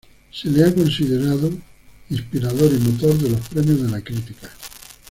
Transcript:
Se le ha considerado inspirador y motor de los Premios de la Crítica.